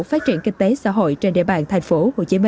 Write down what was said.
phát triển kinh tế xã hội trên địa bàn tp hcm